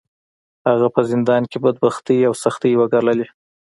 هغه په زندان کې بدبختۍ او سختۍ وګاللې.